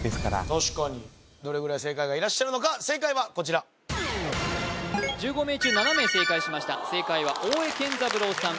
確かにどれぐらい正解がいらっしゃるのか正解はこちら１５名中７名正解しました正解は大江健三郎さん